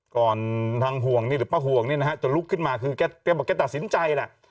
ก่อนทางห่วงนี่หรือป้าห่วงเนี่ยนะฮะจะลุกขึ้นมาคือแกบอกแกตัดสินใจแหละ